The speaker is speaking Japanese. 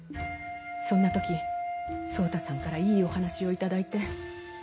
そんな時蒼太さんからいいお話を頂いて。